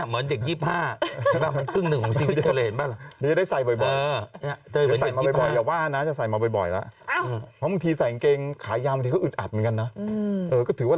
มีคนในทวิตเตอร์ชมคุณพี่ตลอดทุกวัน